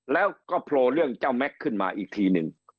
แล้วก็โผล่เรื่องเจ้าแม็กซ์ขึ้นมาอีกทีหนึ่ง